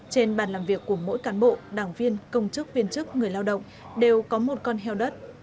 trên bàn làm việc của mỗi cán bộ đảng viên công chức viên chức người lao động đều có một con heo đất